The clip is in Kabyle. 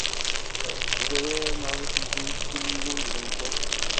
Deg udrar neɣ di temdint kul yiwen deg umkan-is.